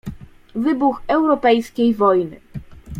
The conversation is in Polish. "Wybuch europejskiej wojny."